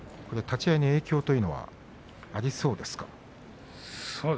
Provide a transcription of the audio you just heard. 立ち合いの影響はありそうですか？